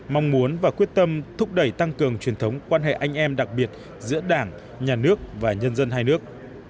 mong muốn và quyết tâm thúc đẩy tăng cường truyền thống quan hệ anh em đặc biệt giữa đảng nhà nước và nhân dân hai nước